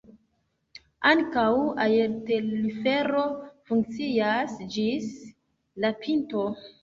Ankaŭ aertelfero funkcias ĝis la pinto.